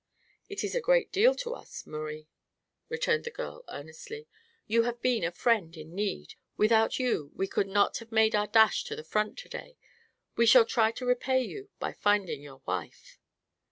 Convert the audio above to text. "It is a great deal to us, Maurie," returned the girl, earnestly. "You have been a friend in need; without you we could not have made our dash to the front to day. We shall try to repay you by finding your wife."